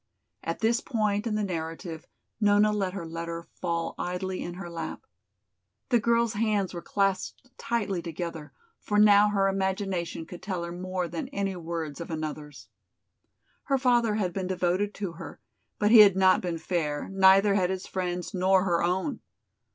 At this point in the narrative Nona let her letter fall idly in her lap. The girl's hands were clasped tightly together, for now her imagination could tell her more than any words of another's. Her father had been devoted to her, but he had not been fair, neither had his friends nor her own.